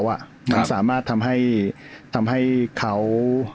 มันสามารถทำให้เขา